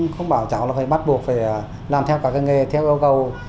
không bảo cháu phải bắt buộc làm theo các nghề theo yêu cầu